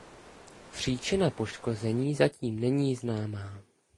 Příčina poškození zatím není známá.